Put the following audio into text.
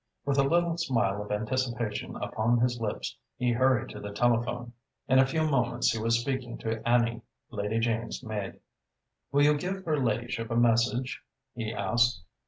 With a little smile of anticipation upon his lips, he hurried to the telephone. In a few moments he was speaking to Annie, Lady Jane's maid. "Will you give her ladyship a message?" he asked.